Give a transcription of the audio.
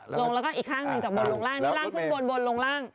ลงแล้วก็อีกข้างลงล่าง